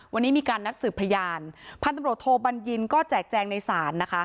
วันนี้มีการนัดสืบพยานพันธมรตโทบัญญินก็แจกแจงในศาล